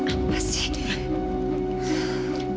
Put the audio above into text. apa sih ma